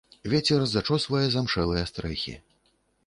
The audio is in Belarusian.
Вецер зачосвае заімшэлыя стрэхі.